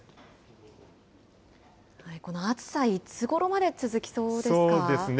この暑さ、いつごろまで続きそうですね。